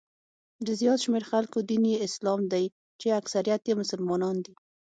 د زیات شمېر خلکو دین یې اسلام دی چې اکثریت یې مسلمانان دي.